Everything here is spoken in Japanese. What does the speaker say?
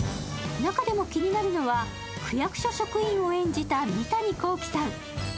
中でも気になるのは、区役所職員を演じた三谷幸喜さん。